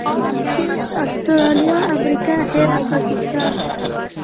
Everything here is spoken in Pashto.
چین، اسټرلیا، امریکا، هند او پاکستان